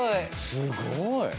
すごい。